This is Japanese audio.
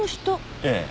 ええ。